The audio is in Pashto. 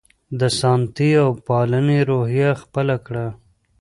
د ساتنې او پالنې روحیه خپله وه.